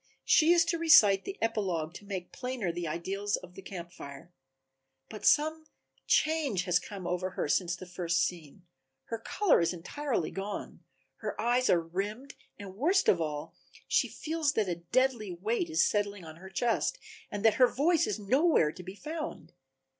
She is to recite the epilogue, to make plainer the ideals of the Camp Fire. But some change has come over her since the first scene, her color is entirely gone, her eyes are rimmed and, worst of all, she feels that a deadly weight is settling on her chest and that her voice is nowhere to be found.